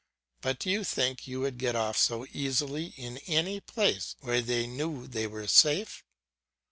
But do you think you would get off so easily in any place where they knew they were safe!